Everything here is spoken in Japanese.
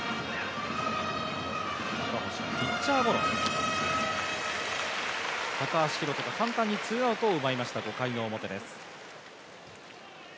ピッチャーゴロ、高橋宏斗が簡単にツーアウトを奪いました、５回表です。